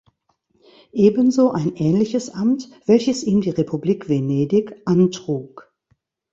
Ebenso ein ähnliches Amt, welches ihm die Republik Venedig antrug.